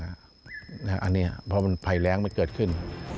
อันนี้เพราะมันภัยแรงมันเกิดขึ้น